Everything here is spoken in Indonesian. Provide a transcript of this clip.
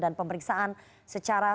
dan pemeriksaan secara